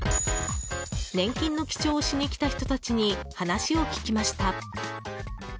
年金の記帳をしに来た人たちに話を聞きました。